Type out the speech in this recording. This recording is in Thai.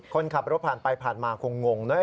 คนขับรถผ่านไปผ่านมาคงงนะ